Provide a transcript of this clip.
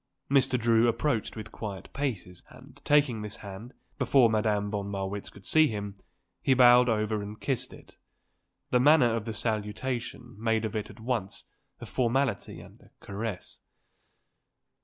Mr. Drew approached with quiet paces and, taking this hand, before Madame von Marwitz could see him, he bowed over it and kissed it. The manner of the salutation made of it at once a formality and a caress.